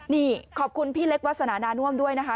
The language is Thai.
นี่ขอบคุณพี่เล็กวาสนานาน่วมด้วยนะคะ